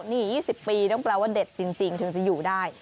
นี่๒๐ปีต้องแปลว่าเด็ดจริงถึงจะอยู่ได้